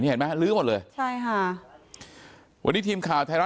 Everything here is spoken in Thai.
เห็นมั้ยลื้อหมดเลยใช่ค่ะ